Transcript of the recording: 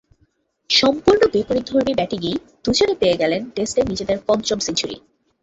সম্পূর্ণ বিপরীত ধর্মী ব্যাটিংয়েই দুজনে পেয়ে গেলেন টেস্টে নিজেদের পঞ্চম সেঞ্চুরি।